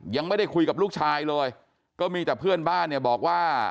ยังไม่ได้คุยกับลูกชายเลยก็มีแต่เพื่อนบ้านเนี่ยบอกว่า